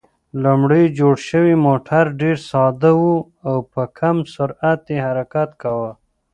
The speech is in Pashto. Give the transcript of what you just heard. لومړی جوړ شوی موټر ډېر ساده و او په کم سرعت یې حرکت کاوه.